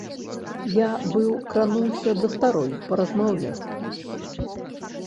Я, быў, крануўся да старой паразмаўляць.